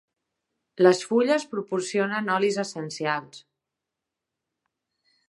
Les fulles proporcionen olis essencials.